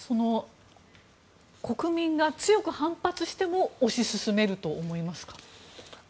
国民が強く反発しても推し進めると思いますか？